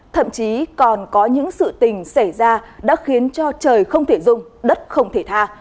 thậm chí còn có những sự tình xảy ra đã khiến cho trời không thể rung đất không thể tha